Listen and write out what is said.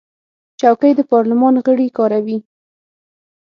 چوکۍ د پارلمان غړي کاروي.